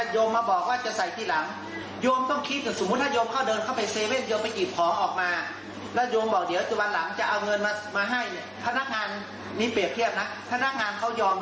อยากจะมาหาหนูพ่อทำสังฆาตธานทำเสร็จแล้วกลับไปบ้าน